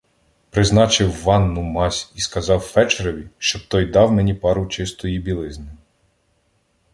Призначив ванну, мазь і сказав фельдшерові, щоб той дав мені пару чистої білизни.